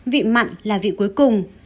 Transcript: vị mặn là vị cuối cùng